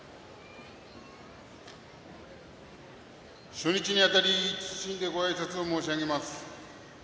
初日にあたり謹んでごあいさつを申し上げます。